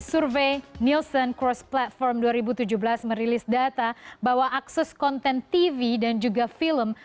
survei nielsen cross platform dua ribu tujuh belas merilis data bahwa akses konten tv dan juga film